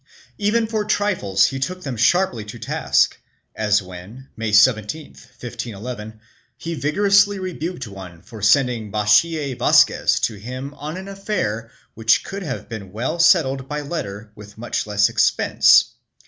Even for trifles he took them sharply to task, as when, May 17, 1511, he vigorously rebuked one for sending Bachiller Vazquez to him on an affair which could have been as well settled by letter with much less expense.